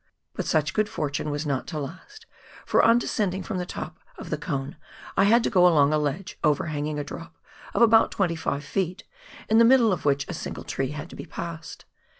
But such good fortune was not to last, for on descending from the top of the Cone I had to go along a ledge, overhanging a drop of about 25 ft., in the middle of which a single tree had to be passed.